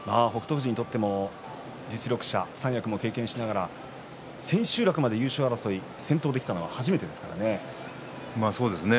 富士にとっても三役を経験しながらの実力者千秋楽までの優勝争い先頭できたのは初めてですね。